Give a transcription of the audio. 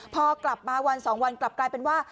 พอกลับมาวัน๒วันกลับกลายเป็นว่า